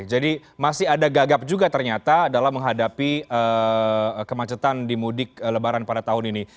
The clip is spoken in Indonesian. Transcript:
jadi masih ada gagap juga ternyata dalam menghadapi kemacetan di mudik lebaran pada tahun ini